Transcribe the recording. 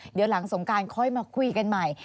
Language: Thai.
เดี๋ยวหลังสงการค่อยมาคุยกันใหม่